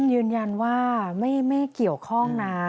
ยืนยันว่าไม่เกี่ยวข้องนะ